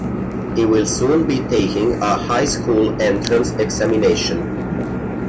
He will soon be taking a high school entrance examination.